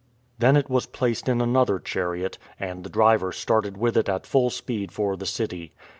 Then it was placed in another chariot, and the driver started with it at full speed for the city.